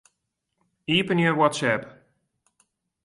Iepenje WhatsApp.